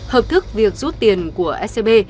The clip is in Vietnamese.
hợp thức việc rút tiền của scb